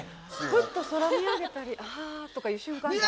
ふっと空見上げたり「あ」とかいう瞬間ないんですか？